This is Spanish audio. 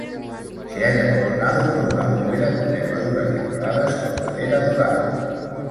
Se halla coronado por una bóveda con nervaduras decoradas con madera dorada.